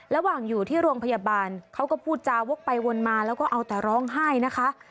ระหว่างอยู่ที่โรงพยาบาลเขาก็พูดจาวกไปวนมาแล้วก็เอาแต่ร้องไห้นะคะ